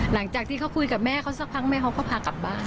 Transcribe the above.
หลังจากที่เขาคุยกับแม่เขาสักพักแม่เขาก็พากลับบ้าน